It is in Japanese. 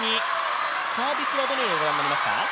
サービスはどのようにご覧になりますか？